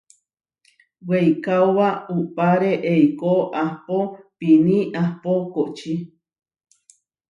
Weikaóba uʼpare eikó ahpoó piní ahpó koʼoči.